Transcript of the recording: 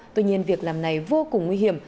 tuy nhiên việc làm này vô cùng nguy hiểm